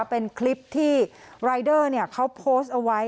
เป็นคลิปที่รายเดอร์เขาโพสต์เอาไว้